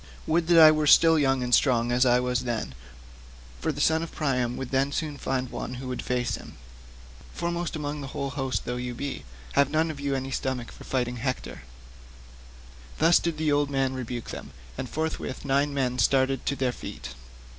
Would that I were still young and strong as I then was, for the son of Priam would then soon find one who would face him. But you, foremost among the whole host though you be, have none of you any stomach for fighting Hector." Thus did the old man rebuke them, and forthwith nine men started to their feet.